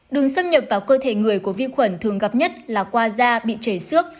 đường xâm nhập vào cơ thể người của vi khuẩn thường gặp nhất là qua da bị chảy xước